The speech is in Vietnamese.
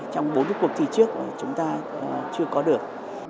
trong bốn cuộc thi trước chúng ta chưa có được